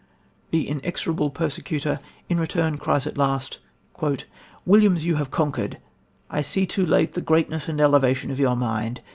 The inexorable persecutor in return cries at last: "Williams, you have conquered! I see too late the greatness and elevation of your mind.